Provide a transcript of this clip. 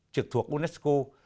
trực thuộc unesco